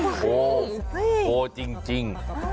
โอ้โหโอ้จริง